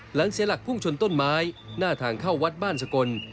เสียหลักพุ่งชนต้นไม้หน้าทางเข้าวัดบ้านสกล